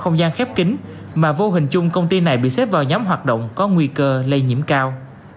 không gian khép kính mà vô hình chung công ty này bị xếp vào nhóm hoạt động có nguy cơ lây nhiễm cao